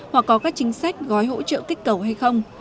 hoặc có các chính sách gói hỗ trợ kích cầu hay không